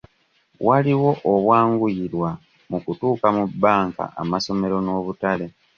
Waliwo obwanguyirwa mu kutuuka mu bbanka, amasomero n'obutale.